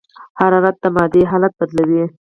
حرارت د مادې حالت بدلوي.